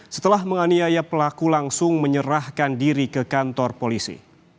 setelah menganiaya pelaku langsung menyerahkan diri ke kantor polisi